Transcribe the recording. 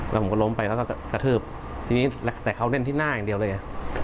แล้วผมก็ล้มไปแล้วก็กระทืบทีนี้แต่เขาเล่นที่หน้าอย่างเดียวเลย